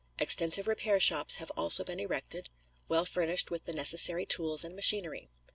Extensive repair shops have also been erected, well furnished with the necessary tools and machinery.